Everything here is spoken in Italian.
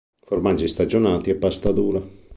Formaggi stagionati a pasta dura.